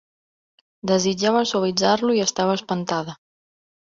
Desitjava suavitzar-lo i estava espantada.